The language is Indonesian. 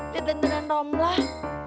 jadi dengerin romlah